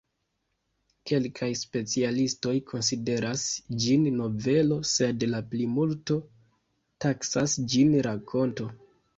Kelkaj specialistoj konsideras ĝin novelo, sed la plimulto taksas ĝin rakonto.